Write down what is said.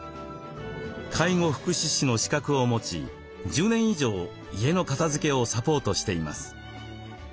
介護福祉士の資格を持ち１０年以上家の片づけをサポートしています。